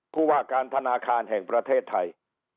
ผู้ว่าการธนาคารแห่งประเทศไทย